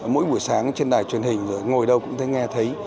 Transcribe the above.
mỗi buổi sáng trên đài truyền hình rồi ngồi đâu cũng thấy nghe thấy